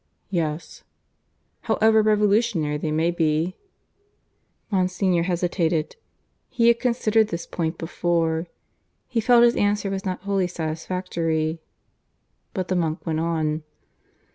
"Yes." "However revolutionary they may be?" Monsignor hesitated. He had considered this point before. He felt his answer was not wholly satisfactory. But the monk went on.